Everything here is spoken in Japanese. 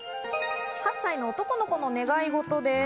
８歳の男の子のねがいごとです。